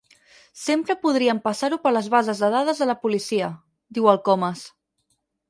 Sempre podríem passar-ho per les bases de dades de la policia —diu el Comas—.